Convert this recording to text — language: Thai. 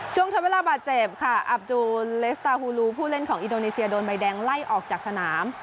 ทดเวลาบาดเจ็บค่ะอับดูเลสตาฮูลูผู้เล่นของอินโดนีเซียโดนใบแดงไล่ออกจากสนาม